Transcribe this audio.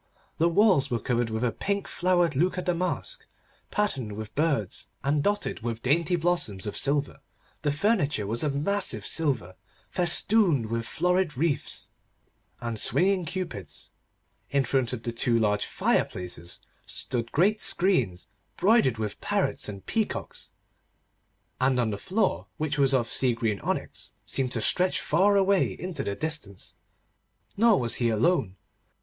The walls were covered with a pink flowered Lucca damask, patterned with birds and dotted with dainty blossoms of silver; the furniture was of massive silver, festooned with florid wreaths, and swinging Cupids; in front of the two large fire places stood great screens broidered with parrots and peacocks, and the floor, which was of sea green onyx, seemed to stretch far away into the distance. Nor was he alone.